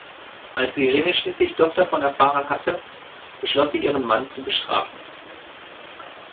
Als Irene schließlich doch davon erfahren hatte, beschloss sie, ihren Mann zu bestrafen.